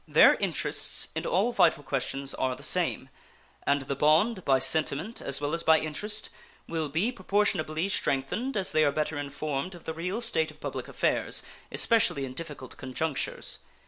Their interests in all vital questions are the same, and the bond, by sentiment as well as by interest, will be proportionably strengthened as they are better informed of the real state of public affairs, especially in difficult conjunctures.